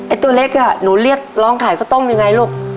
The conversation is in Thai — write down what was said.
ตัวเล็กอ่ะหนูเรียกร้องขายข้าวต้มยังไงลูก